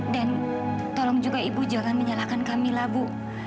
dan tolong juga ibu jangan menyalahkan kamila bu